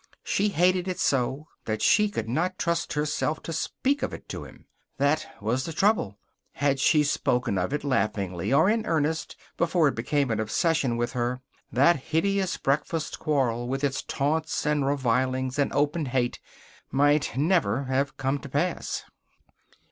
She hated it so that she could not trust herself to speak of it to him. That was the trouble. Had she spoken of it, laughingly or in earnest, before it became an obsession with her, that hideous breakfast quarrel, with its taunts, and revilings, and open hate, might never have come to pass.